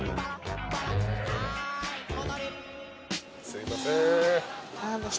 すいません。